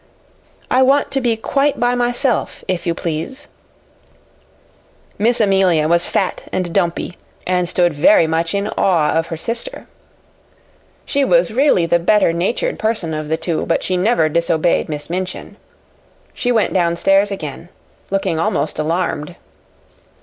"I want to be quite by myself, if you please." Miss Amelia was fat and dumpy, and stood very much in awe of her sister. She was really the better natured person of the two, but she never disobeyed Miss Minchin. She went downstairs again, looking almost alarmed.